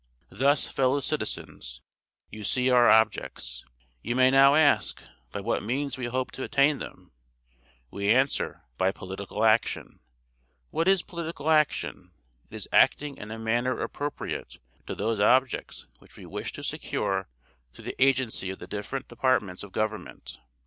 "Thus, fellow citizens, you see our objects. You may now ask, by what means we hope to attain them. We answer, by POLITICAL ACTION. What is political action? It is _acting in a manner appropriate to those objects which we wish to secure through the agency of the different departments of Government_.